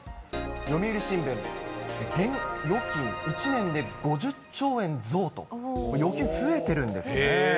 読売新聞、現・預金１年で５０兆円増と、預金、増えてるんですね。